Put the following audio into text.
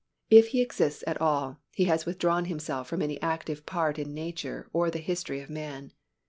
If He exists at all, He has withdrawn Himself from any active part in nature or the history of man.